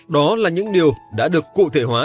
đó là những điều đã được cụ thể hóa